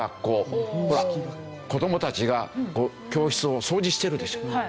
ほら子どもたちが教室を掃除してるでしょう。